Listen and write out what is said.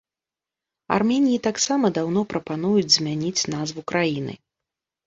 Арменіі таксама даўно прапануюць змяніць назву краіны.